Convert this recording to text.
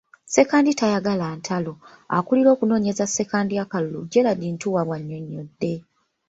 "Ssekandi tayagala ntalo," Akulira okunoonyeza Ssekandi akalulu, Gerald Ntuuwa bw'anynonnyodde.